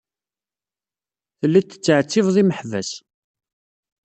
Tellid tettɛettibed imeḥbas.